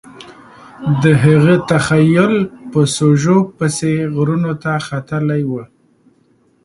د هغه تخیل په سوژو پسې غرونو ته ختلی و